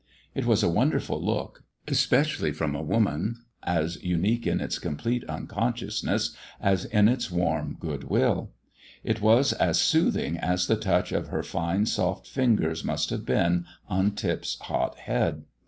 It was a wonderful look, especially from a woman, as unique in its complete unconsciousness as in its warm goodwill; it was as soothing as the touch of her fine soft fingers must have been on Tip's hot head.